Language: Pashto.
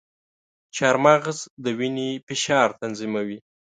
چارمغز د وینې فشار تنظیموي.